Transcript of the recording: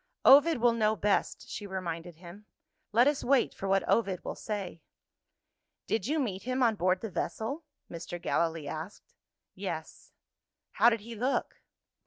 "Ovid will know best," she reminded him; "let us wait for what Ovid will say." "Did you meet him on board the vessel?" Mr. Gallilee asked. "Yes." "How did he look?"